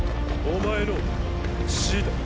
お前の死だ。